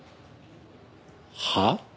はあ？